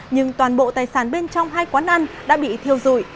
nhưng toàn bộ tài sản bên trong hai quán ăn đã bị thiêu dụi